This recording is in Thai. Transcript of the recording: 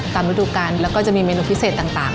ตามรูปการณ์แล้วก็จะมีเมนูพิเศษต่าง